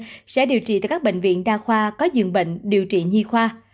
trẻ mắc covid một mươi chín được điều trị tại các bệnh viện đa khoa có dường bệnh điều trị nhi khoa